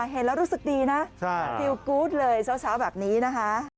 เห็นแล้วรู้สึกดีนะฟิลกู๊ดเลยเช้าแบบนี้นะคะ